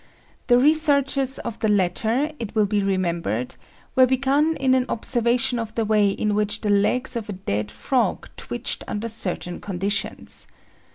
The researches of the latter, it will be remembered, were begun in an observation of the way in which the legs of a dead frog twitched under certain conditions.